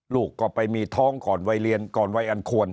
ลูกก็ไปมีท้องก่อนวัยเรียนก่อนวัยอันควร